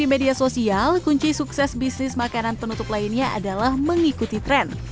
di media sosial kunci sukses bisnis makanan penutup lainnya adalah mengikuti tren